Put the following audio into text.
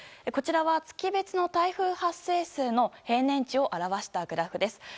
こちらは、月別の台風発生数の平年値を表したグラフです。